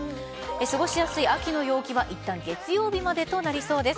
過ごしやすい秋の陽気はいったん月曜日までとなりそうです。